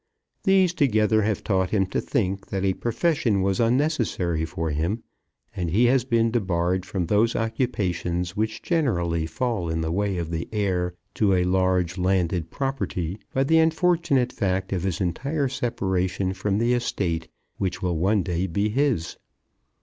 These together have taught him to think that a profession was unnecessary for him, and he has been debarred from those occupations which generally fall in the way of the heir to a large landed property by the unfortunate fact of his entire separation from the estate which will one day be his.